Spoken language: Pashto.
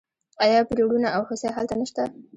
آیا پریړونه او هوسۍ هلته نشته؟